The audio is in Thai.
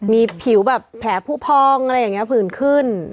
มีผิวแบบแผลผู้พองอะไรอย่างนี้ผื่นขึ้น